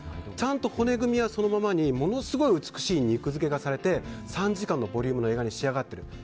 ちゃんと骨組みはそのままにものすごい美しい肉付けがされて３時間のボリュームの映画に仕上がってる。